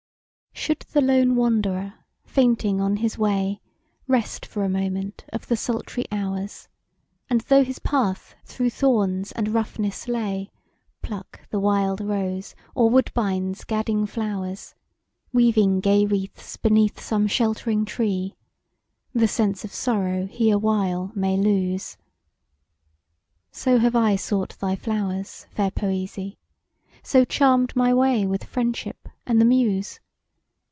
SHOULD the lone wanderer, fainting on his way, Rest for a moment of the sultry hours, And though his path through thorns and roughness lay, Pluck the wild rose, or woodbine's gadding flowers, Weaving gay wreaths beneath some sheltering tree, The sense of sorrow he awhile may lose; So have I sought thy flowers, fair Poesy! So charm'd my way with Friendship and the Muse.